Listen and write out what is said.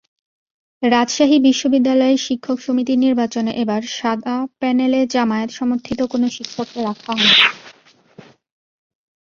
রাজশাহী বিশ্ববিদ্যালয়ের শিক্ষক সমিতির নির্বাচনে এবার সাদা প্যানেলে জামায়াত-সমর্থিত কোনো শিক্ষককে রাখা হয়নি।